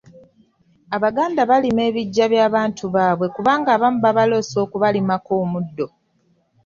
Abaganda balima ebiggya by'abantu baabwe kubanga abamu babaloosa okubalimako omuddo.